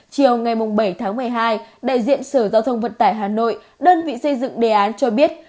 chiều ngày bảy tháng một mươi hai đại diện sở giao thông vận tải hà nội đơn vị xây dựng đề án cho biết